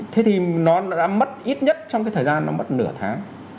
thế thì nó đã mất ít nhất trong cái thời gian nó mất nửa tháng